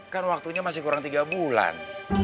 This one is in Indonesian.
kan waktunya masih kurang tiga bulan